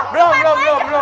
belum belum belum belum